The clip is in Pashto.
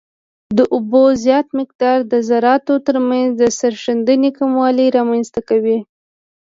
د اوبو زیات مقدار د ذراتو ترمنځ د سریښېدنې کموالی رامنځته کوي